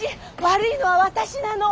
悪いのは私なの！